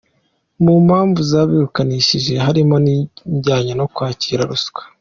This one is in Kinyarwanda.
Mu mpamvu zabirukanishije, harimo n’ibijyanye no kwakira ruswa.